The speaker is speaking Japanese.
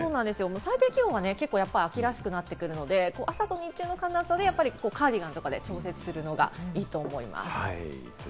最低気温は結構、秋らしくなってくるので、朝と日中の寒暖差でカーディガンとかで調整するのがいいと思います。